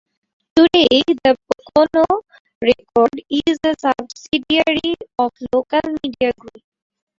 Today, the "Pocono Record" is a subsidiary of Local Media Group.